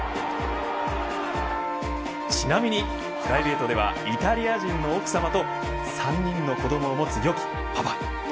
ちなみにプライベートではイタリア人の奥さまと３人の子どもを持つ良きパパ。